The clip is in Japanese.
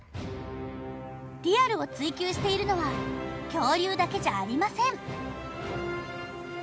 リアルを追求しているのは恐竜だけじゃありません